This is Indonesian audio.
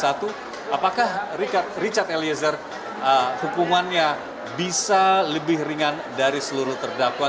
apakah richard eliezer hukumannya bisa lebih ringan dari seluruh terdakwa